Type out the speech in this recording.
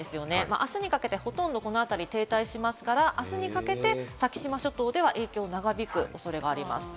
あすにかけてこの辺りに停滞しますから、あすにかけて先島諸島では影響が長引く恐れがあります。